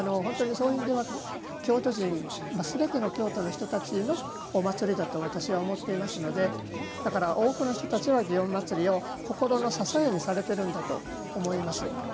そういう意味ではすべての京都の人たちのお祭りだと私は思っていますのでだから、多くの人たちは祇園祭を心の支えにされているんだと思います。